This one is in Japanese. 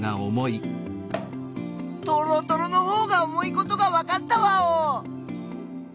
とろとろのほうが重いことがわかったワオ！